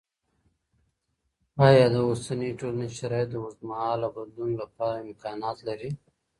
آیا د اوسني ټولني شرایط د اوږدمهاله بدلون لپاره امکانات لري؟